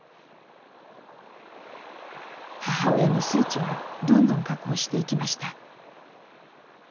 母親の数値はどんどん下降していきました。